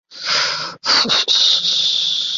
特诺奇蒂特兰失守的原因有多种。